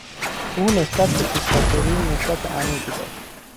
او نسبت به دیکتاتوری نفرت عمیقی داشت.